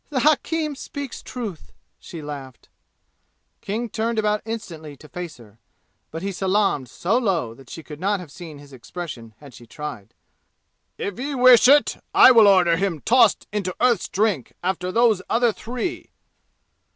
"The hakim speaks truth!" she laughed. King turned about instantly to face her, but he salaamed so low that she could not have seen his expression had she tried. "If Ye wish it, I will order him tossed into Earth's Drink after those other three."